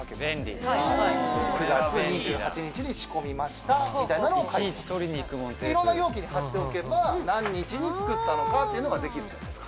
「９月２８日に仕込みました」みたいなのを書いていろんな容器に貼っておけば何日に作ったのかっていうのができるじゃないですか。